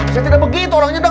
saya tidak begitu orangnya dok